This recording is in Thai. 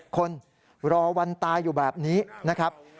คนรอวันตายอยู่แบบนี้นะครับ